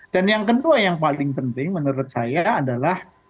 dan yang kedua yang paling penting menurut saya adalah